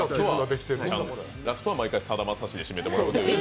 ラストは毎回、さだまさしで締めてもらって。